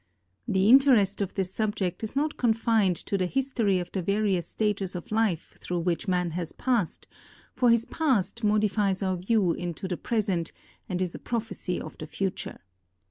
The interest of this subject is not confined to tlie history of the various stages of life through which man lias passed, for his past modifies our views of the present and is a prophecy of the future.